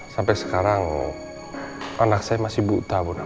sampai sekarang anak saya masih buta